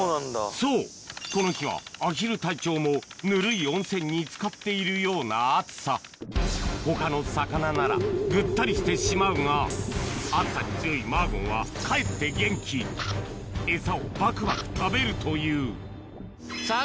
そうこの日はアヒル隊長もぬるい温泉につかっているような暑さ他の魚ならぐったりしてしまうが暑さに強いマーゴンはかえって元気エサをバクバク食べるというさぁ